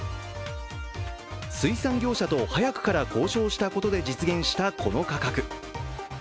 水産業者と早くから交渉したことで実現したこの価格。